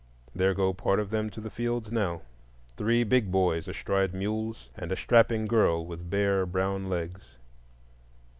There go part of them to the fields now,—three big boys astride mules, and a strapping girl with bare brown legs.